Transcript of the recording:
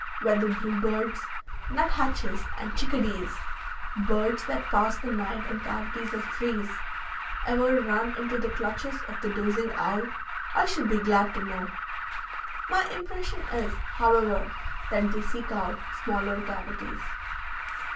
Whether bluebirds, nut hatches, and chickadees birds that pass the night in cavities of trees ever run into the clutches of the dozing owl, I should be glad to know. My impression is, however, that they seek out smaller cavities.